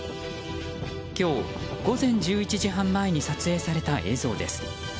今日午前１１時半前に撮影された映像です。